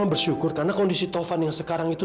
bersyukur karena kondisi tovan yang sekarang itu